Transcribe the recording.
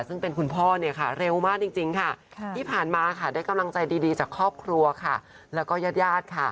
ซึ่งเป็นคุณพ่อเร็วมากจริงที่ผ่านมาได้กำลังใจดีจากครอบครัวและยาด